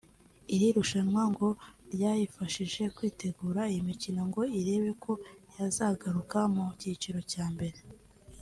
iri rushanwa ngo ryaifashije kwitegura iyi mikino ngo irebe ko yzagaruka mu cyiciro cya mbere